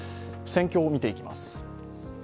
戦況を見ていきます。